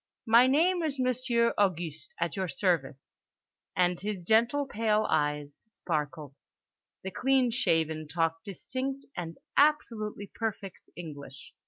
"My name is Monsieur Au guste, at your service"—and his gentle pale eyes sparkled. The clean shaven talked distinct and absolutely perfect English.